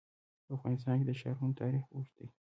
په افغانستان کې د ښارونه تاریخ اوږد دی.